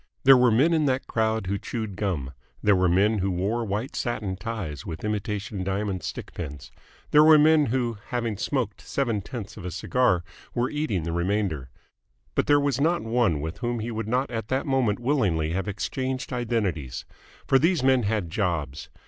There were men in that crowd who chewed gum, there were men who wore white satin ties with imitation diamond stick pins, there were men who, having smoked seven tenths of a cigar, were eating the remainder: but there was not one with whom he would not at that moment willingly have exchanged identities. For these men had jobs.